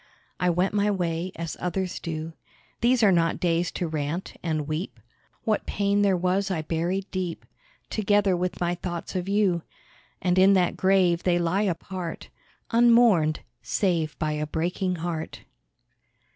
I went my way, as others do. These are not days to rant, and weep. What pain there was I buried deep, Together with my thoughts of you; And in that grave they lie apart, Unmourned, save by a breaking heart.